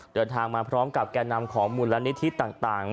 เดินทางมาพร้อมกับแก่นำของมูลนิธิต่าง